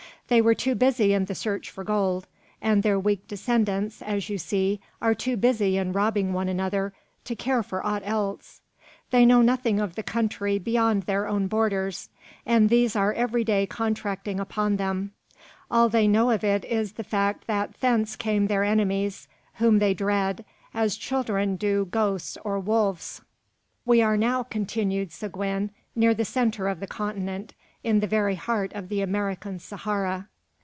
They were too busy in the search for gold; and their weak descendants, as you see, are too busy in robbing one another to care for aught else. They know nothing of the country beyond their own borders; and these are every day contracting upon them. All they know of it is the fact that thence come their enemies, whom they dread, as children do ghosts or wolves." "We are now," continued Seguin, "near the centre of the continent, in the very heart of the American Sahara."